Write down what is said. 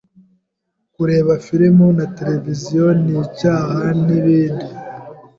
kureba filimi na televiziyo ni icyah, n’ibindi.